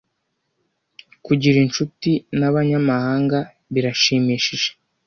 Kugira inshuti nabanyamahanga birashimishije.